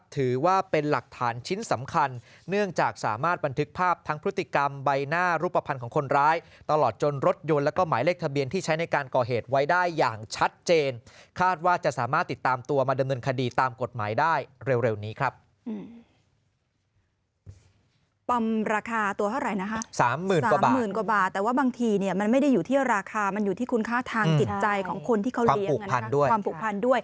ถือว่าเป็นหลักฐานชิ้นสำคัญเนื่องจากสามารถบันทึกภาพทั้งพฤติกรรมใบหน้ารูปภัณฑ์ของคนร้ายตลอดจนรถยนต์แล้วก็หมายเลขทะเบียนที่ใช้ในการก่อเหตุไว้ได้อย่างชัดเจนคาดว่าจะสามารถติดตามตัวมาดำเนินคดีตามกฎหมายได้เร็วนี้ครับ